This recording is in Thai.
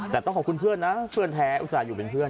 แต่ต้องขอบคุณเพื่อนนะเพื่อนแท้อุตส่าห์อยู่เป็นเพื่อน